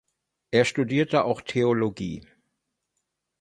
Er studierte auch Theologie.